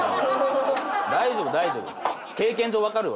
大丈夫大丈夫。